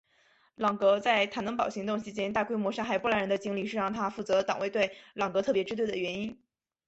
朗格在坦能堡行动期间大规模杀害波兰人的经历是让他负责党卫队朗格特别支队的原因。